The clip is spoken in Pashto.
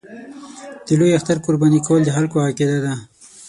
د لوی اختر قرباني کول د خلکو عقیده ده.